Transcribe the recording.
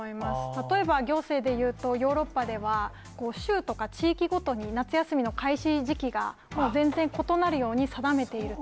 例えば、行政でいうと、ヨーロッパでは州とか地域ごとに、夏休みの開始時期が全然異なるように定めている。